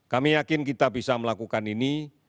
kami yakin kita bisa melakukan ini